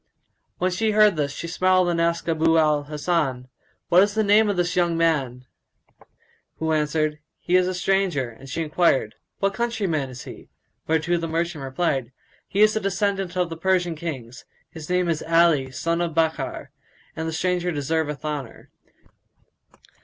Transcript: '" When she heard this, she smiled and asked Abu al Hasan, "What is the name of this young man?"; who answered, "He is a stranger;" and she enquired, "What countryman is he?"; whereto the merchant replied, "He is a descendant of the Persian Kings; his name is Ali son of Bakkar and the stranger deserveth honour."